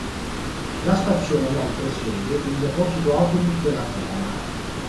La stazione è inoltre sede di un deposito autobus dell'azienda.